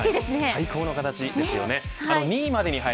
最高の形ですよね。